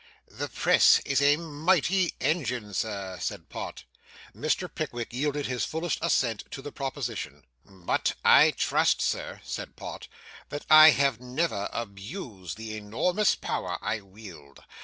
'The press is a mighty engine, sir,' said Pott. Mr. Pickwick yielded his fullest assent to the proposition. 'But I trust, sir,' said Pott, 'that I have never abused the enormous power I wield.